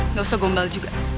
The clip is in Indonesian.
nggak usah gombal juga